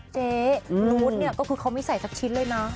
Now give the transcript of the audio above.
มนุษย์เนี่ยก็คือเขาไม่ใส่สักชิ้นเลยนะ